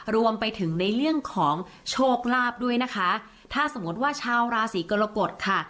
รวมไปถึงในเรื่องของโชคลาภด้วยนะคะถ้าสมมติว่าชาวราศีกรกฎค่ะ